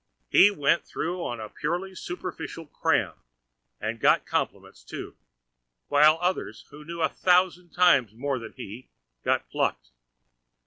He went through on that purely superficial 'cram', and got compliments, too, while others, who knew a thousand times more than he, got plucked.